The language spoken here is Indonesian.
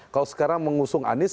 kalau sekarang mengusung anies